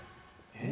えっ？